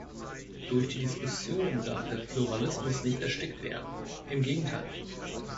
Durch die Diskussion darf der Pluralismus nicht erstickt werden, im Gegenteil.